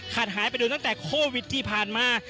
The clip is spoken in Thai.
หายไปโดยตั้งแต่โควิดที่ผ่านมา